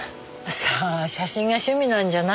さあ写真が趣味なんじゃない？